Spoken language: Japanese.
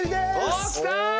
おっ！来た。